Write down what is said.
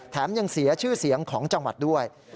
ยังเสียชื่อเสียงของจังหวัดด้วย